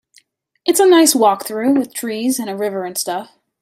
It's a nice walk though, with trees and a river and stuff.